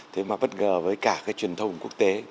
thế mà bất ngờ với cả cái truyền thông quốc tế